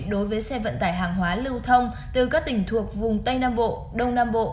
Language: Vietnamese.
đối với xe vận tải hàng hóa lưu thông từ các tỉnh thuộc vùng tây nam bộ đông nam bộ